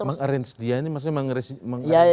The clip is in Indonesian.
meng arrange dia ini maksudnya meng arrange julianis